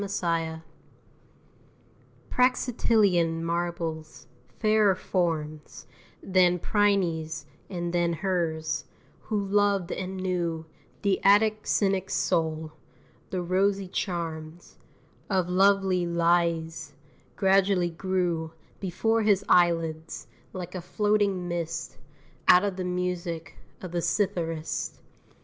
ELEUSINIAN Praxitelean marbles, fairer forms Than Phryne's and than hers, who loved and knew The Attic cynic's soul, the rosy charms Of lovely Laïs, gradually grew Before his eyelids, like a floating mist, Out of the music of the citharist.